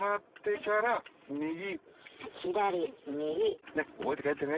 完全に覚えて帰ってね